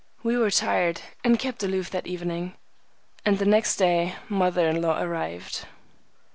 We were tired, and kept aloof that evening, and the next day mother in law arrived.